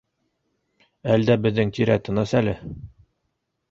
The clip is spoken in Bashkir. Әлдә беҙҙең тирә тыныс әле.